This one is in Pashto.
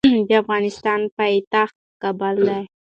د افغانستان پایتخت کابل دي